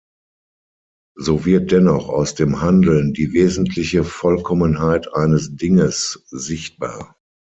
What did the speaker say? So wird dennoch aus dem Handeln die wesentliche Vollkommenheit eines Dinges sichtbar.